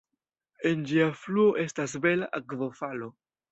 En ĝia fluo estas bela akvofalo.